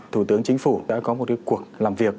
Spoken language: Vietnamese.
thủ tướng chính phủ đã có một cuộc làm việc